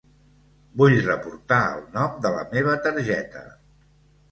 Vull reportar el nom de la meva targeta.